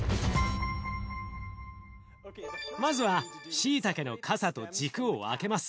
まずはしいたけのかさと軸を分けます。